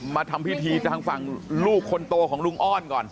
มาทำพิธีทางฝั่งลูกคนโตของลุงอ้อนก่อน